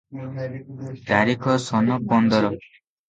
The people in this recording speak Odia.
ତାରିଖ ସନ ପନ୍ଦର ।